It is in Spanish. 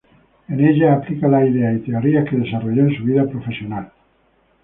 En ella aplica las ideas y teorías que desarrolló en su vida profesional.